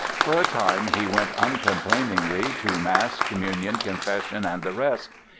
For a time he went uncomplainingly to mass, communion, confession and the rest.